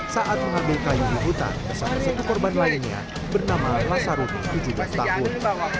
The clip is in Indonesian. saat mengambil kayu di hutan bersama satu korban lainnya bernama lasarudin tujuh belas tahun